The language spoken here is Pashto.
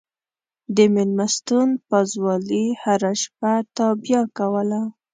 د مېلمستون پازوالې هره شپه تابیا کوله.